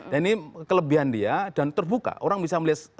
dan ini kelebihan dia dan terbuka orang bisa melihat